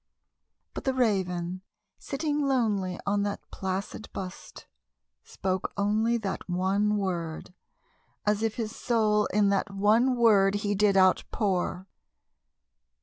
But the Raven, sitting lonely on that placid bust, spoke only That one word, as if his soul in that one word he did outpour.